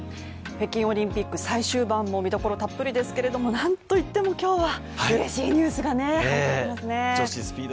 北京オリンピック最終盤も見どころたっぷりですけれどもなんといっても、今日はうれしいニュースが入ってきています。